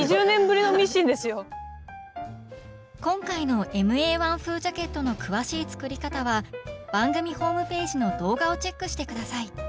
今回のＭＡ−１風ジャケットの詳しい作り方は番組ホームページの動画をチェックして下さい！